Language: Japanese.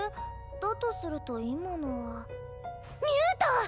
だとすると今のはミュート！